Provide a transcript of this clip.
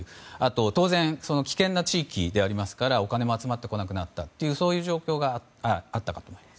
当然、危険な地域でありますからお金も集まってこなくなったという状況があったと思います。